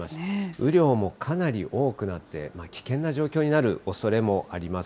雨量もかなり多くなって、危険な状況になるおそれもあります。